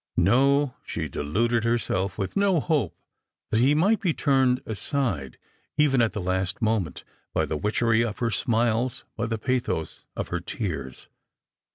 No; she deluded herself with no hope that he might be turned aside even at the last moment, by the witchery of her smiles, by the pathos of her tears.